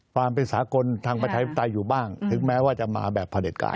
ความเป็นสากลทางประชาธิปไตยอยู่บ้างถึงแม้ว่าจะมาแบบพระเด็จการ